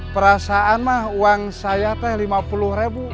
perasaan mah uang saya teh rp lima puluh ribu